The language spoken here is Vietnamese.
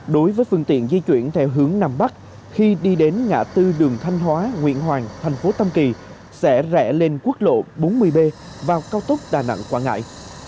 đối với phương tiện di chuyển theo hướng nam bắc khi đi đến ngã tư đường thanh hóa nguyễn hoàng thành phố tâm kỳ sẽ rẽ lên quốc lộ bốn mươi b vào cao tốc đà nẵng quảng ngãi